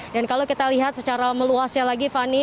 dan kalau kita lihat secara meluasnya lagi fani